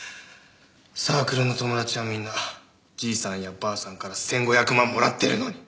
サークルの友達はみんなじいさんやばあさんから１５００万もらってるのに！